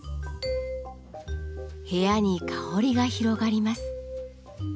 部屋に香りが広がります。